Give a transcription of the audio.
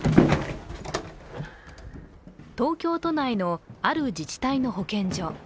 東京都内の、ある自治体の保健所。